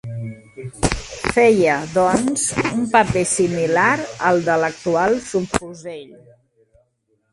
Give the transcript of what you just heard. Feia, doncs, un paper similar al de l'actual subfusell.